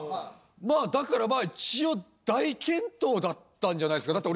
まあだからまあ一応大健闘だったんじゃないっすかだって